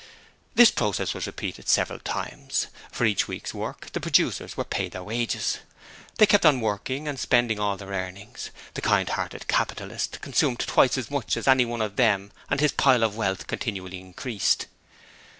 This process was repeated several times: for each week's work the producers were paid their wages. They kept on working and spending all their earnings. The kind hearted capitalist consumed twice as much as any one of them and his pile of wealth continually increased.